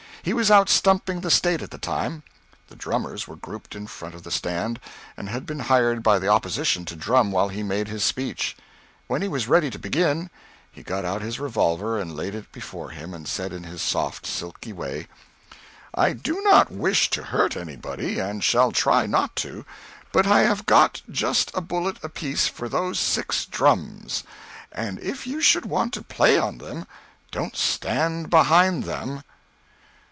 He was out stumping the State at the time. The drummers were grouped in front of the stand, and had been hired by the opposition to drum while he made his speech. When he was ready to begin, he got out his revolver and laid it before him, and said in his soft, silky way "I do not wish to hurt anybody, and shall try not to; but I have got just a bullet apiece for those six drums, and if you should want to play on them, don't stand behind them."